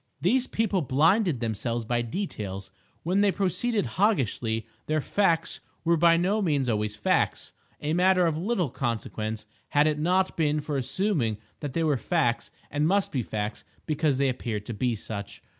These people blinded themselves by details. When they proceeded Hoggishly, their "facts" were by no means always facts—a matter of little consequence had it not been for assuming that they were facts and must be facts because they appeared to be such.